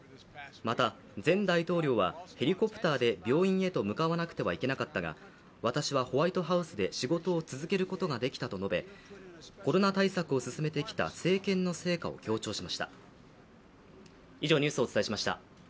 また、前大統領はヘリコプターで病院へと向かわなくてはいけなかったが私はホワイトハウスで仕事を続けることができたと述べ、コロナ対策を進めてきた政権の成果を強調しました。